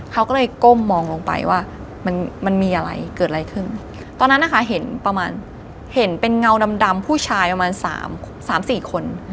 เขาก็เลยก้มมองลงไปว่ามันมีอะไรเกิดอะไรขึ้นตอนนั้นนะคะเห็นประมาณเห็นเป็นเงาดำผู้ชายประมาณ๓๔คน